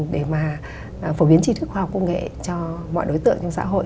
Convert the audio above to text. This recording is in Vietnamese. để mà phổ biến chi thức khoa học công nghệ cho mọi đối tượng trong xã hội